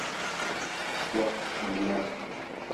wa "My Love".